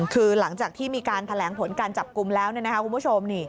คือหลังจากที่มีการแถลงผลการจับกลุ่มแล้วคุณผู้ชม